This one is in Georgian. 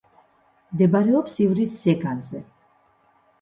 მდებარეობს ივრის ზეგანზე.